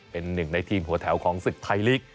เป็นหนึ่งในทีมหัวแถวของศึกไทยลีก